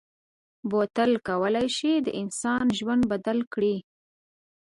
بوتل کولای شي د انسان ژوند بدل کړي.